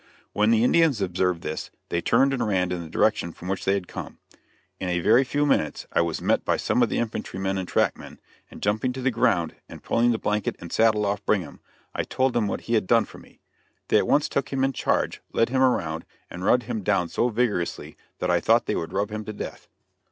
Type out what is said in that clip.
When the Indians observed this, they turned and ran in the direction from which they had come. In a very few minutes I was met by some of the infantrymen and trackmen, and jumping to the ground and pulling the blanket and saddle off of Brigham, I told them what he had done for me; they at once took him in charge, led him around, and rubbed him down so vigorously that I thought they would rub him to death.